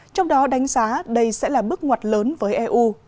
trong đó đánh giá đây sẽ là bước ngoặt lớn với eu